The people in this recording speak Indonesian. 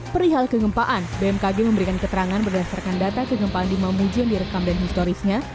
perihal kegempaan bmkg memberikan keterangan berdasarkan data kegempaan di mamuju yang direkam dan historisnya